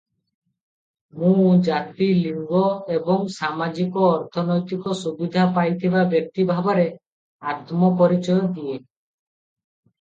ମୁଁ ଜାତି, ଲିଙ୍ଗ ଏବଂ ସାମାଜିକ-ଅର୍ଥନୈତିକ ସୁବିଧା ପାଇଥିବା ବ୍ୟକ୍ତି ଭାବରେ ଆତ୍ମପରିଚୟ ଦିଏ ।